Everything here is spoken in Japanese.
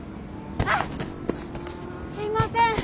あっすいません。